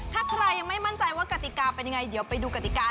ถ้าใครยังไม่มั่นใจว่ากติกาเป็นยังไงเดี๋ยวไปดูกติกา